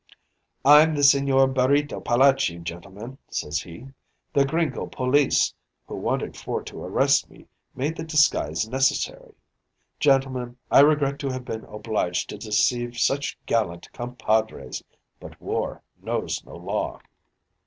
_ "'I'm the Sigñor Barreto Palachi, gentlemen,' says he. 'The gringo police who wanted for to arrest me made the disguise necessary. Gentlemen, I regret to have been obliged to deceive such gallant compadres; but war knows no law.'